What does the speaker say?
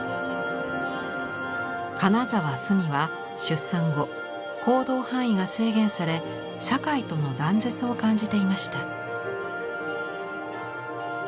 金沢寿美は出産後行動範囲が制限され社会との断絶を感じていました。